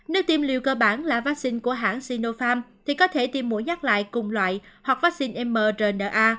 nếu tiêm liều cơ bản là vaccine của hãng sinofarm thì có thể tiêm mũi nhắc lại cùng loại hoặc vaccine mrna